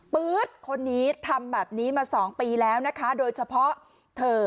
ื๊ดคนนี้ทำแบบนี้มา๒ปีแล้วนะคะโดยเฉพาะเธอ